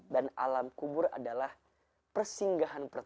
dan alam kubur adalah persinggahan pertama